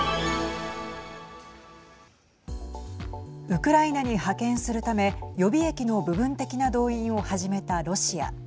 ウクライナに派遣するため予備役の部分的な動員を始めたロシア。